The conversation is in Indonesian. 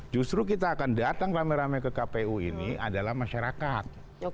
justru kita akan datang rame rame ke kpu ini adalah masyarakat